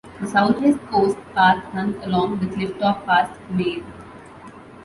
The South West Coast Path runs along the clifftop past Maer.